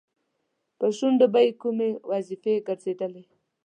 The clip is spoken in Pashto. په شونډو به یې کومې وظیفې ګرځېدلې؟